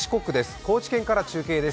高知県から中継です。